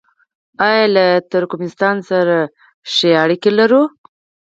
آیا له ترکمنستان سره ښې اړیکې لرو؟